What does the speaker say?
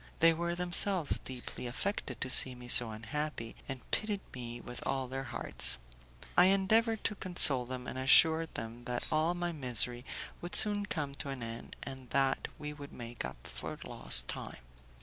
They were themselves deeply affected to see me so unhappy, and pitied me with all their hearts. I endeavoured to console them, and assured them that all my misery would soon come to an end, and that we would make up for lost time.